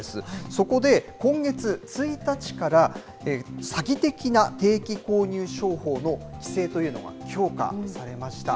そこで、今月１日から、詐欺的な定期購入商法の規制というのが強化されました。